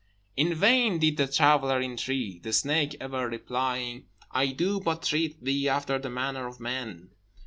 In vain did the traveller entreat, the snake ever replying, "I do but treat thee after the manner of men."